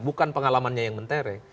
bukan pengalamannya yang mentere